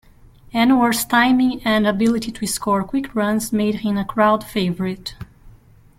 Anwar's timing and ability to score quick runs made him a crowd favourite.